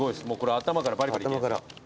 頭からバリバリいける。